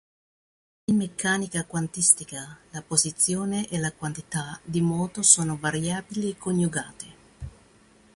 In meccanica quantistica, la posizione e la quantità di moto sono variabili coniugate.